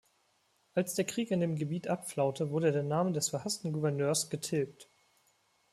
Als der Krieg in dem Gebiet abflaute, wurde der Name des verhassten Gouverneurs getilgt.